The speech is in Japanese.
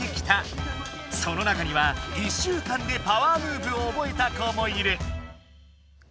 その中には１週間でパワームーブをおぼえた子もいる！